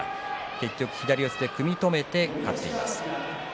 結局、左四つで組み止めて勝っています。